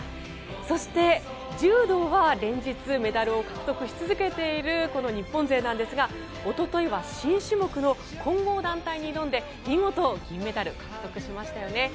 そして、柔道は連日メダルを獲得し続けているこの日本勢なんですがおとといは新種目の混合団体に挑んで見事、銀メダルを獲得しましたよね。